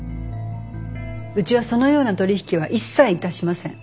うちはそのような取り引きは一切いたしません。